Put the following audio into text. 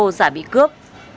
cô giả bị cướp